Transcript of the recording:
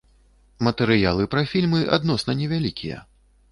Матэрыялы пра фільмы адносна невялікія.